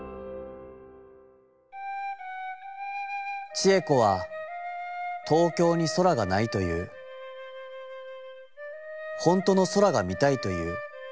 「智恵子は東京に空が無いといふ、ほんとの空が見たいといふ。